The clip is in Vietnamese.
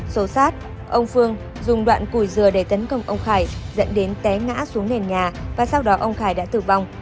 sổ sát ông phương dùng đoạn củi dừa để tấn công ông khải dẫn đến té ngã xuống nền nhà và sau đó ông khải đã tử vong